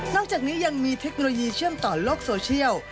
จากนี้ยังมีเทคโนโลยีเชื่อมต่อโลกโซเชียล